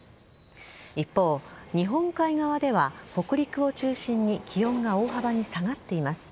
一方、日本海側では北陸を中心に気温が大幅に下がっています。